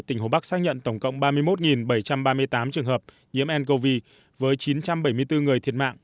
tỉnh hồ bắc xác nhận tổng cộng ba mươi một bảy trăm ba mươi tám trường hợp nhiễm ncov với chín trăm bảy mươi bốn người thiệt mạng